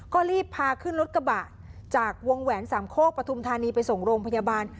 ก็รีบพาขึ้นรถกระบะจากวงแหวนสามโคกปฐุมธานีไปส่งโรงพยาบาล